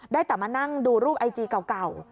ได้แต่มานั่งดูรูปไอจีเก่า